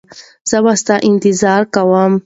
زه به ستا انتظار کوم.